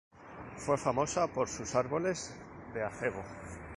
Fue famosa por sus árboles de acebo.